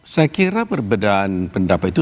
saya kira perbedaan pendapat itu